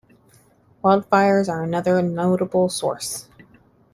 Wild fires are another notable source.